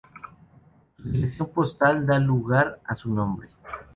Su dirección postal da lugar a su nombre.